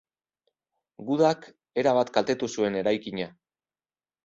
Gudak erabat kaltetu zuen eraikina.